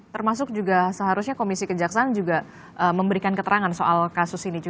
termasuk juga seharusnya komisi kejaksaan juga memberikan keterangan soal kasus ini